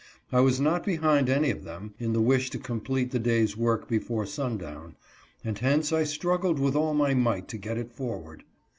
I was not behind any of them in the wish to complete the day's work before sundown, and hence I struggled with all my might to get it forward.